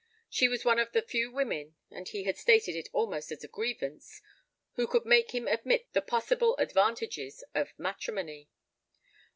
She was one of the few women, and he had stated it almost as a grievance, who could make him admit the possible advantages of matrimony.